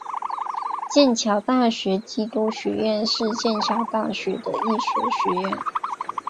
剑桥大学基督学院是剑桥大学的一所学院。